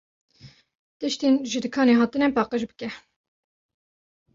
Tiştên ji dikanê hatine paqij bike.